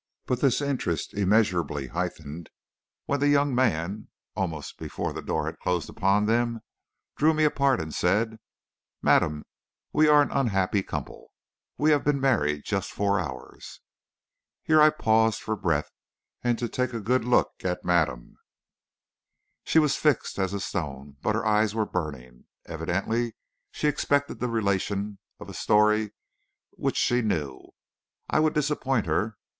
But this interest immeasurably heightened when the young man, almost before the door had closed upon them, drew me apart and said: 'Madame, we are an unhappy couple. We have been married just four hours.'" Here I paused for breath, and to take a good look at madame. She was fixed as a stone, but her eyes were burning. Evidently she expected the relation of a story which she knew. I would disappoint her.